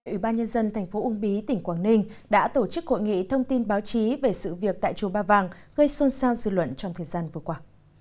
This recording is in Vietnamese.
ủy ban nhân dân thành phố uông bí tỉnh quảng ninh đã tổ chức hội nghị thông tin báo chí về sự việc tại chùa ba vàng gây xôn xao dư luận trong thời gian vừa qua